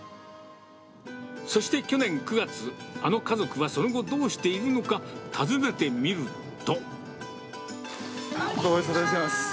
そして去年９月、あの家族はその後、どうしているのか、訪ねてみると。